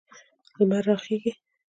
لمر راخیږي